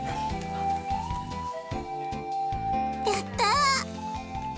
やった！